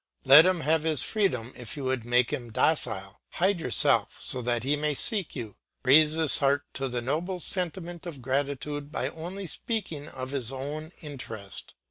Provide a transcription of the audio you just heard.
Let him have his freedom if you would make him docile; hide yourself so that he may seek you; raise his heart to the noble sentiment of gratitude by only speaking of his own interest.